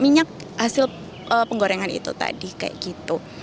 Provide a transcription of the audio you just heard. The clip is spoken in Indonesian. minyak hasil penggorengan itu tadi kayak gitu